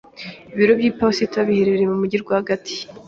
Ibiro by'iposita biherereye mu mujyi rwagati.